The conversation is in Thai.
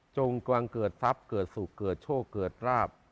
กวางเกิดทรัพย์เกิดสุขเกิดโชคเกิดราบ